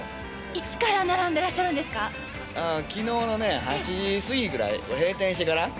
いつから並んでらっしゃるんきのうのね、８時過ぎぐらい、閉店してから。